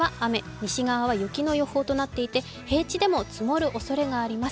西側は雪の予報となっていて平地でも積もるおそれがあります。